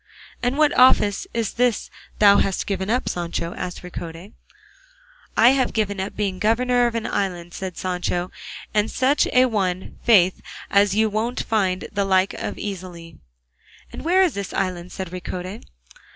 "And what office is this thou hast given up, Sancho?" asked Ricote. "I have given up being governor of an island," said Sancho, "and such a one, faith, as you won't find the like of easily." "And where is this island?" said Ricote.